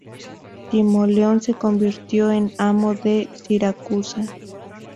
Timoleón se convirtió en amo de Siracusa.